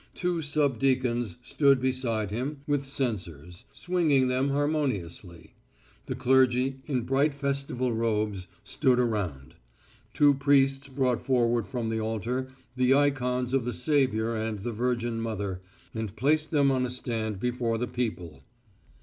Two sub deacons stood beside him with censers, swinging them harmoniously. The clergy, in bright festival robes, stood around. Two priests brought forward from the altar the ikons of the Saviour and the Virgin Mother, and placed them on a stand before the people.